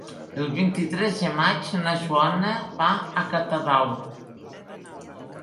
El vint-i-tres de maig na Joana va a Catadau.